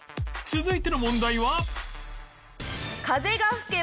続いての問題は？